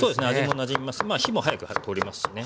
火も早く通りますしね。